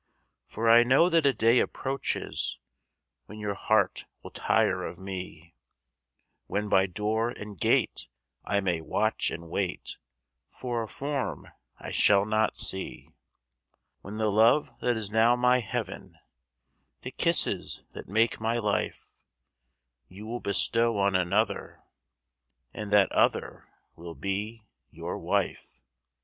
For I know that a day approaches When your heart will tire of me; When by door and gate I may watch and wait For a form I shall not see; When the love that is now my heaven, The kisses that make my life, You will bestow on another, And that other will be your wife.